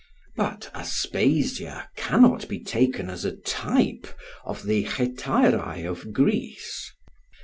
But Aspasia cannot be taken as a type of the Hetaerae of Greece.